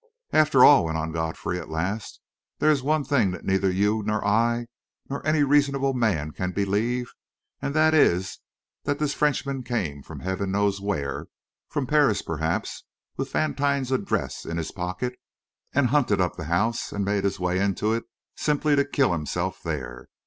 "After all," went on Godfrey, at last, "there is one thing that neither you nor I nor any reasonable man can believe, and that is that this Frenchman came from heaven knows where from Paris, perhaps with Vantine's address in his pocket, and hunted up the house and made his way into it simply to kill himself there.